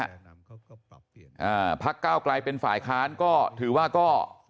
อ่าภักดิ์เก้ากลายเป็นฝ่ายค้านก็ถือว่าก็